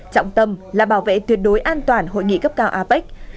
trọng tâm là bảo vệ tuyệt đối an toàn hội nghị cấp cao apec